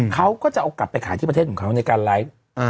เขาก็จะเอากลับไปขายที่ประเทศของเขาในการไลฟ์